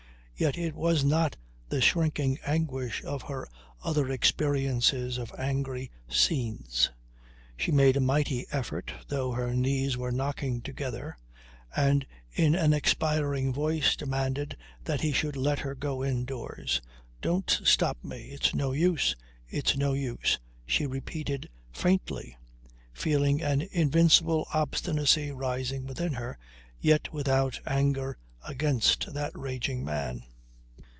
Yet it was not the shrinking anguish of her other experiences of angry scenes. She made a mighty effort, though her knees were knocking together, and in an expiring voice demanded that he should let her go indoors. "Don't stop me. It's no use. It's no use," she repeated faintly, feeling an invincible obstinacy rising within her, yet without anger against that raging man.